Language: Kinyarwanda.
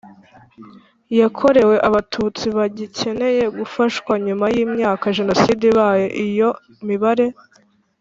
yakorewe Abatutsi bagikeneye gufashwa nyuma y imyaka Jenoside ibaye iyo mibare